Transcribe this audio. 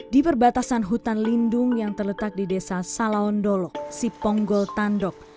di perbatasan hutan lindung yang terletak di desa salaondolo siponggol tandok